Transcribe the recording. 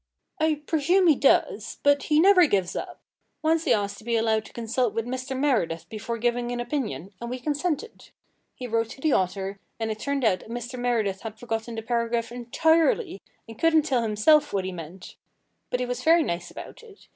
"I presume he does, but he never gives up. Once he asked to be allowed to consult with Mr. Meredith before giving an opinion, and we consented. He wrote to the author, and it turned out that Mr. Meredith had forgotten the paragraph entirely, and couldn't tell himself what he meant. But he was very nice about it.